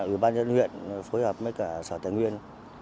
ủy ban nhân huyện phối hợp với cả sở tài nguyên